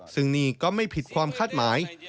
ซึ่งนี่ก็ไม่ผิดความคาดหมาย